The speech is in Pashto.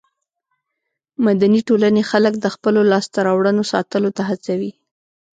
مدني ټولنې خلک د خپلو لاسته راوړنو ساتلو ته هڅوي.